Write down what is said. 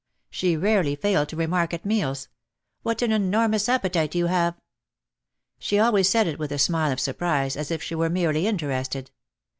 She rarely failed to remark at meals: "What an enormous appetite you have !" She always said it with a smile of surprise as if she were merely interested.